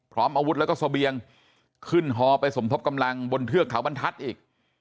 พร้อมอาวุธแล้วก็เสบียงขึ้นฮอไปสมทบกำลังบนเทือกเขาบรรทัศน์อีก